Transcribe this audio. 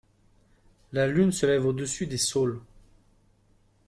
La lune se lève au-dessus des saules.